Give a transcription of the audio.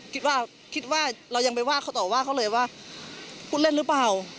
คิดว่าคิดว่าเรายังไปว่าเขาต่อว่าเขาเลยว่าพูดเล่นหรือเปล่า